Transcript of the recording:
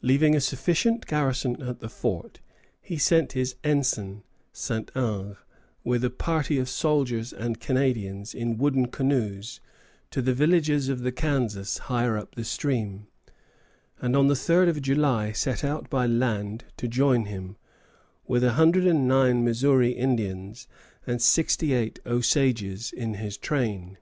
Leaving a sufficient garrison at the fort, he sent his ensign, Saint Ange, with a party of soldiers and Canadians, in wooden canoes, to the villages of the Kansas higher up the stream, and on the 3d of July set out by land to join him, with a hundred and nine Missouri Indians and sixty eight Osages in his train.